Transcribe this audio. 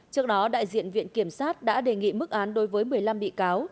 trước đó đại diện viện kiểm sát đã đề nghị mức án đối với một mươi năm bị cáo